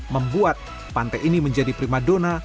membuat pantai ini menjadi primadona